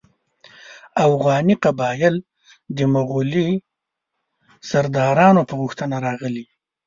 اوغاني قبایل د مغولي سردارانو په غوښتنه راغلي.